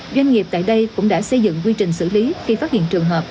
doanh nghiệp tại đây cũng đã xây dựng quy trình xử lý khi phát hiện trường hợp